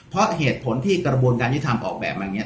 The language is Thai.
เพราะเหตุผลที่กระบวนการยุทธรรมออกแบบมาอย่างนี้